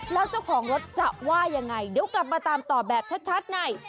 แล้วเจ้าของรถจะว่ายังไงเดี๋ยวกลับมาตามต่อแบบชัดใน